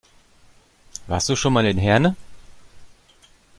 Warst du schon mal in Herne?